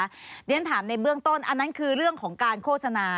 เรียนถามในเบื้องต้นอันนั้นคือเรื่องของการโฆษณา